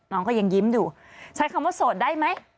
น้องก็ยังยิ้มอยู่ใช้คำว่าโสดได้ไหม